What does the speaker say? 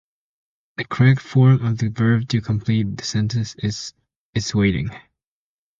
The correct form of the verb to complete this sentence is "is waiting".